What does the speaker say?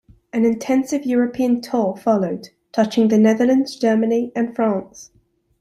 An intensive European tour followed, touching the Netherlands, Germany and France.